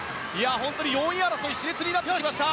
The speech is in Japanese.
本当に４位争い熾烈になってきました。